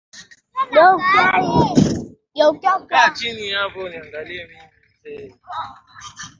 nyanyasa wanafunzi badala yake unanuua